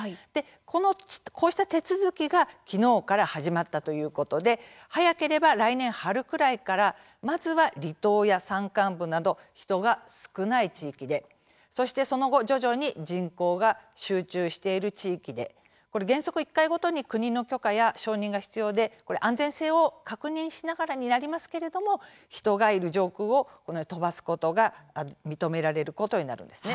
この、こうした手続きが昨日から始まったということで早ければ来年、春くらいからまずは、離島や山間部など人が少ない地域でそして、その後、徐々に人口が集中している地域で原則１回ごとに国の許可や承認が必要で安全性を確認しながらになりますけれども人がいる上空を飛ばすことが認められることになるんですね。